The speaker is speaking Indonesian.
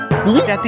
ya tiap yang jadi